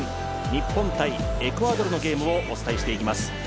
日本×エクアドルのゲームをお伝えしていきます。